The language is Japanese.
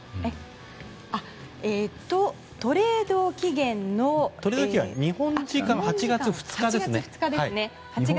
トレード期限は日本時間８月２日ですね。